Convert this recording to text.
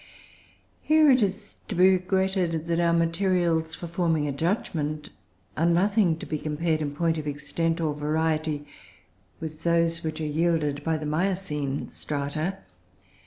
Here it is to be regretted that our materials for forming a judgment are nothing to be compared in point of extent or variety with those which are yielded by the Miocene strata.